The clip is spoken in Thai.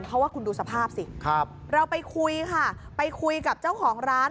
เพราะว่าคุณดูสภาพสิเราไปคุยค่ะไปคุยกับเจ้าของร้าน